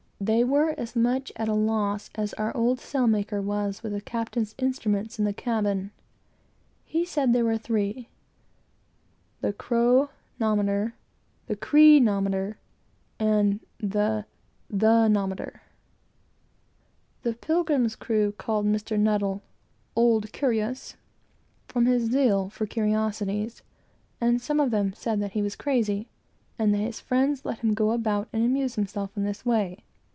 They were as much puzzled as our old sailmaker was with the captain's instruments in the cabin. He said there were three: the chro nometer, the chre nometer, and the the nometer. (Chronometer, barometer, and thermometer.) The Pilgrim's crew christened Mr. N. "Old Curious," from his zeal for curiosities, and some of them said that he was crazy, and that his friends let him go about and amuse himself in this way.